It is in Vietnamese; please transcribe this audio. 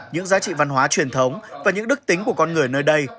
những giá trị văn hóa truyền thống và những đức tính của con người nơi đây